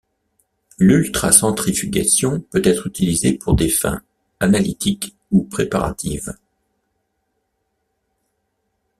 L’ultracentrifugation peut être utilisée pour des fins analytiques ou préparatives.